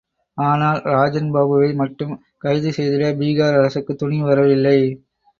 ஆனால், ராஜன் பாபுவை மட்டும் கைது செய்திட பீகார் அரசுக்கு துணிவு வரவில்லை.